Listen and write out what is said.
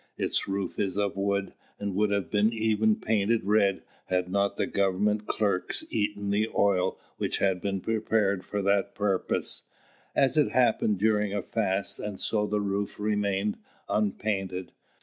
Its roof is of wood, and would have been even painted red, had not the government clerks eaten the oil which had been prepared for that purpose, as it happened during a fast; and so the roof remained unpainted.